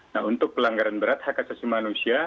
nah untuk pelanggaran berat hak asasi manusia